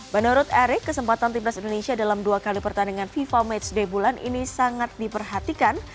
menurut erik kesempatan timnas indonesia dalam dua kali pertandingan fifa matchday bulan ini sangat diperhatikan